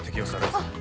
あっ！